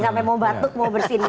sampai mau batuk mau bersihin